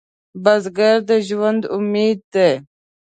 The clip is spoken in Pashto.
بزګر د ژوند امید دی